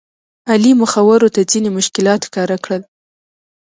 علي مخورو ته ځینې مشکلات ښکاره کړل.